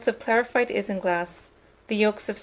of clarified isinglass, the yolks of 6 eggs.